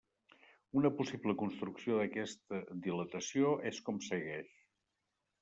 Una possible construcció d'aquesta dilatació és com segueix.